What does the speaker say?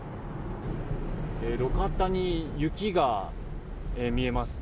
路肩に雪が見えます。